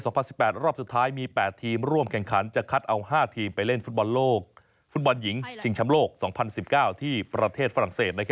รอบสุดท้ายมี๘ทีมร่วมแข่งขันจะคัดเอา๕ทีมไปเล่นฟุตบอลโลกฟุตบอลหญิงชิงชำโลก๒๐๑๙ที่ประเทศฝรั่งเศส